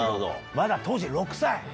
まだ当時６歳！